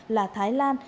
là thái lan